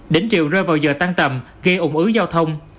đỉnh chiều rơi vào giờ tan tầm gây ủng ứ giao thông